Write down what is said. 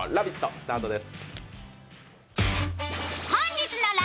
スタートです。